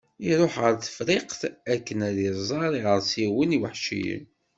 Iruḥ ɣer Tefriqt akken ad d-iẓer iɣersiwen iweḥciyen.